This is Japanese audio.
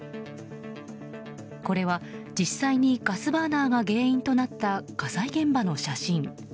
これは実際にガスバーナーが原因となった火災現場の写真。